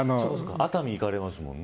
熱海行かれますもんね。